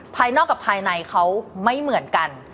ภายนอกกับภายในเขาไม่เหมือนกัน